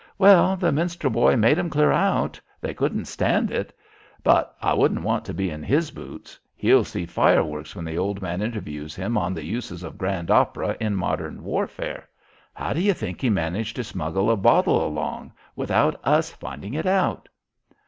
"Well, the Minstrel Boy made 'em clear out. They couldn't stand it. But I wouldn't want to be in his boots. He'll see fireworks when the old man interviews him on the uses of grand opera in modern warfare. How do you think he managed to smuggle a bottle along without us finding it out?"